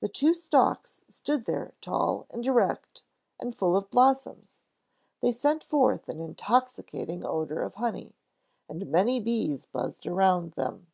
The two stalks stood there tall and erect and full of blossoms. They sent forth an intoxicating odor of honey, and many bees buzzed around them.